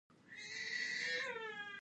هغه باید د ادارې اسرار خوندي وساتي.